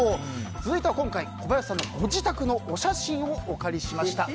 続いては今回小林さんのご自宅のお写真をお借りしました。